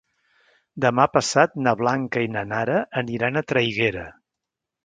Demà passat na Blanca i na Nara aniran a Traiguera.